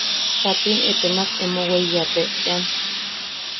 Katim etemak emo weiyapeʼean.